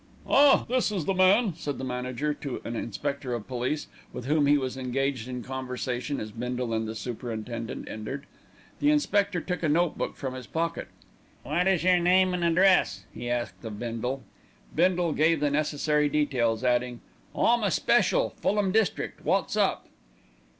"Ah! this is the man," said the manager to an inspector of police with whom he was engaged in conversation as Bindle and the superintendent entered. The inspector took a note book from his pocket. "What is your name and address?" he asked of Bindle. Bindle gave the necessary details, adding, "I'm a special, Fulham District. Wot's up?"